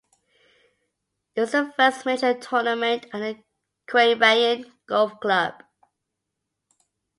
It was the first major tournament at the Queanbeyan Golf Club.